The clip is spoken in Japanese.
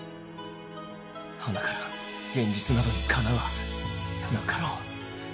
はなから現実などにかなうはずなかろう